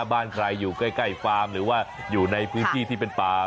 บ้านใครอยู่ใกล้ฟาร์มหรือว่าอยู่ในพื้นที่ที่เป็นป่า